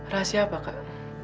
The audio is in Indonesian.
rahasia apa kak